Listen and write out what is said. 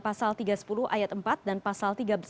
pasal tiga sepuluh ayat empat dan pasal tiga sebelas